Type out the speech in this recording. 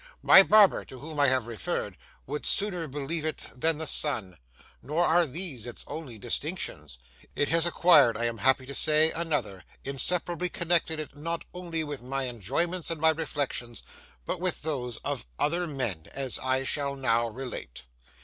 My barber, to whom I have referred, would sooner believe it than the sun. Nor are these its only distinctions. It has acquired, I am happy to say, another, inseparably connecting it not only with my enjoyments and reflections, but with those of other men; as I shall now relate.